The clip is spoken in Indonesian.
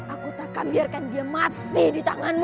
aku tak akan biarkan dia mati di tanganmu